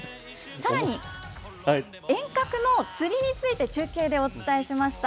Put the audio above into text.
さらに、遠隔の釣りについて中継でお伝えしました。